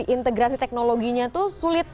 integrasi teknologinya tuh sulit